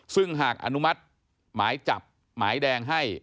ซึ่งหากอนุมัติหมายจับหมายแดงให้